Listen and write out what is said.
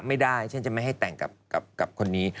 ไม่ได้ฉันจะไม่ให้แต่งกับคนนี้